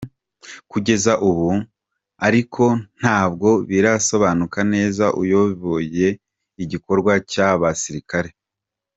Kugeza Abu ariko ntabwo birasobanuka neza uyoboye igikorwa cy’aba basirikare.